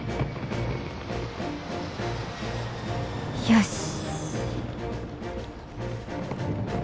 よし。